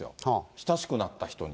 親しくなった人に。